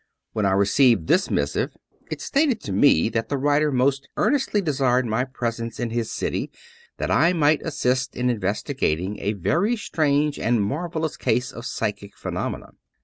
When I received this missive, it stated to me that the writer most earnestly desired my presence in his city, that I might assist in investigating a very strange and mar velous case of psychic phenomena.